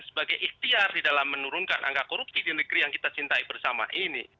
sebagai ikhtiar di dalam menurunkan angka korupsi di negeri yang kita cintai bersama ini